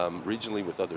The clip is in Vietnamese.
với thành phố khác